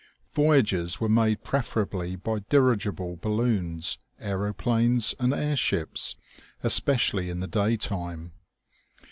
Voyages were made preferably by dirigible balloons, aeroplanes and air ships, especially in the daytime.